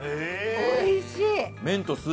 おいしい！